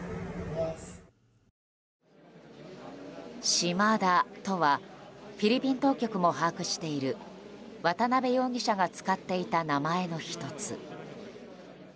シマダとはフィリピン当局も把握している渡邉容疑者が使っていた名前の１つ。